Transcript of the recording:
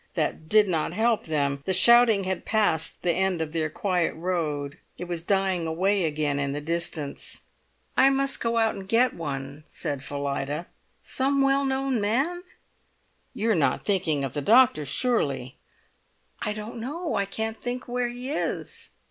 That did not help them. The shouting had passed the end of their quiet road. It was dying away again in the distance. "I must go out and get one," said Phillida. "Some well known man!" "You're not thinking of the doctor, surely?" "I don't know! I can't think where he is."